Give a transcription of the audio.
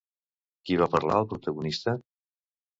Qui va parlar al protagonista?